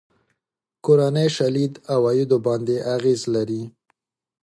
کورنۍ شالید عوایدو باندې اغېز لري.